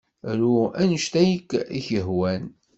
Ru anect ay ak-yehwan.